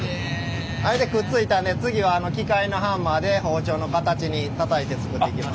あれでくっついたんで次は機械のハンマーで包丁の形にたたいてつくっていきます。